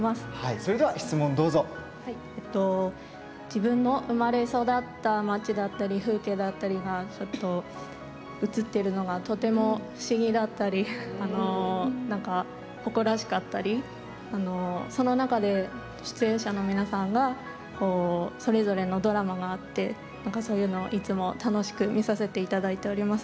自分の生まれ育った町だったり風景だったりがちょっと映っているのがとても不思議だったり誇らしかったりその中で出演者の皆さんがそれぞれのドラマがあっていつも楽しく見させていただいております。